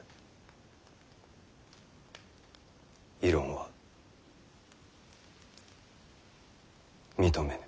異論は認めぬ。